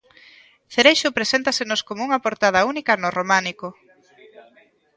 Cereixo presentásenos como unha portada única no románico.